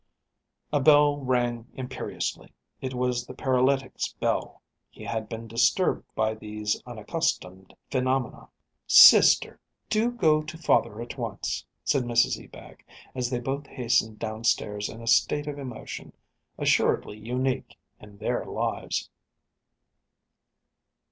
A bell rang imperiously. It was the paralytic's bell. He had been disturbed by these unaccustomed phenomena. "Sister, do go to father at once," said Mrs Ebag, as they both hastened downstairs in a state of emotion, assuredly unique in their lives.